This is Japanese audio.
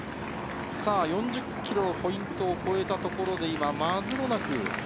４０ｋｍのポイントを越えたところで今、マズロナク。